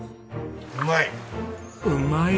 うまい！